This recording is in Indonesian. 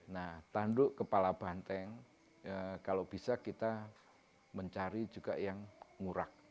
nah tanduk kepala banteng kalau bisa kita mencari juga yang ngurak